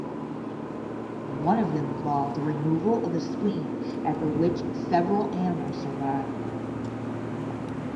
One of them involved the removal of the spleen after which several animals survived.